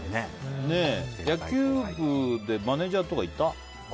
野球部でマネジャーとかいた？